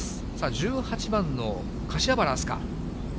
１８番の柏原明日架。